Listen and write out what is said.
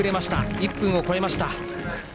１分を超えました。